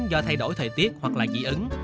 do thay đổi thời tiết hoặc là dị ứng